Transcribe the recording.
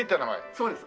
そうです。